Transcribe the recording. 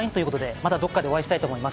また、どこかでお会いしたいと思います。